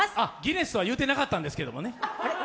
ギネスは言うてなかったんですけどね。